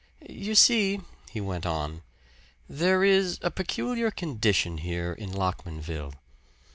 "You see," he went on, "there is a peculiar condition here in Lockmanville.